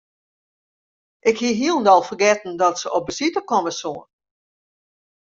Ik hie hielendal fergetten dat se op besite komme soe.